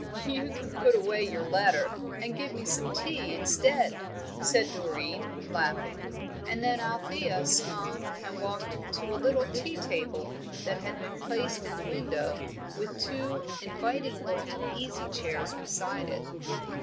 "You can put away your letter and give me some tea instead," Doreen said, laughing; and then Althea smiled and walked to a little tea table that had been placed in the window, with two inviting looking easy chairs beside it.